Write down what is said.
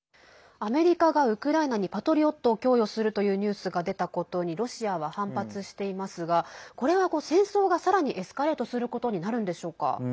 アメリカがウクライナに「パトリオット」を供与するというニュースが出たことにロシアは反発していますがこれは戦争がさらにエスカレートすることになるんでしょうか？